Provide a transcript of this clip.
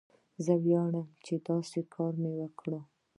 زه ویاړم چې داسې کار مې وکړ.